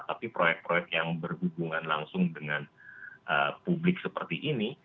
tapi proyek proyek yang berhubungan langsung dengan publik seperti ini